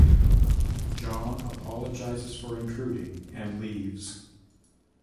John apologizes for intruding and leaves.